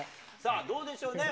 どうでしょうね。